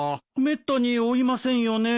めったに追いませんよね。